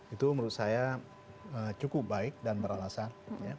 itu menurut saya cukup baik dan beralasan